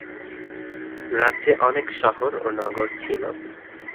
রাজ্যে অনেক শহর ও নগর ছিল।